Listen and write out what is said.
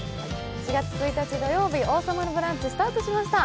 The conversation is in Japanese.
４月１日土曜日、「王様のブランチ」スタートしました。